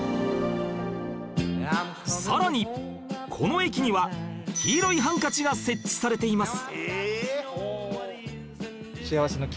さらにこの駅には黄色いハンカチが設置されています